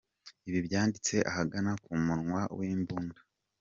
ibi byanditse ahagana ku munwa w’imbunda